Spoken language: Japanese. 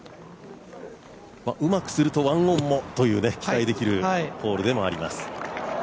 うまくすると１オンも期待できるというホールでもあります。